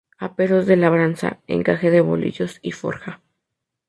Aperos de labranza, encaje de bolillos y forja.